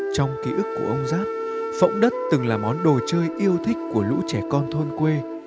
trong ký ức của ông giáp phẫu đất từng là món đồ chơi yêu thích của lũ trẻ con thôn quê